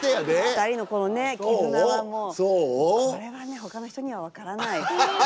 ２人のこのね絆はもうこれはねほかの人には分からない。